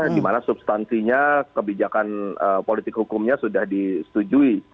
dimana substansinya kebijakan politik hukumnya sudah disetujui